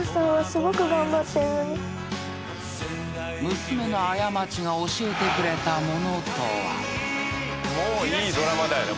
［娘の過ちが教えてくれたものとは］